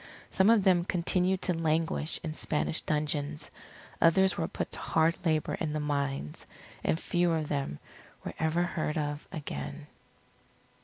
Some of them continued to languish in Spanish dungeons, others were put to hard labour in the mines, and few of them were ever heard of again.